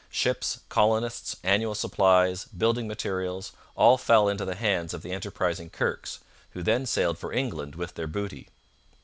Ships, colonists, annual supplies, building materials all fell into the hands of the enterprising Kirkes, who then sailed for England with their booty.